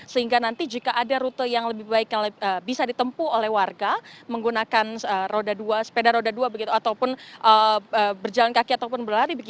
sehingga nanti jika ada rute yang lebih baik yang bisa ditempu oleh warga menggunakan sepeda roda dua begitu ataupun berjalan kaki ataupun berlari